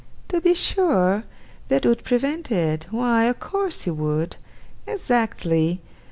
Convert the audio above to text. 'To be sure. That would prevent it? Why, of course it would. Exactly.